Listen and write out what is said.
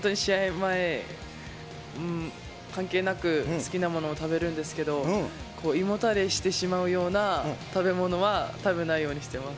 前、関係なく、好きなものを食べるんですけど、胃もたれしてしまうような食べ物は食べないようにしてます。